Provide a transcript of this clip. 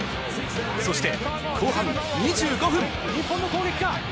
そして後半２５分。